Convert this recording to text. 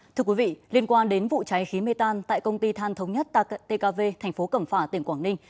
thưa quý vị liên quan đến vụ cháy khí mê tan tại công ty than thống nhất tkv thành phố cẩm phả tỉnh quảng ninh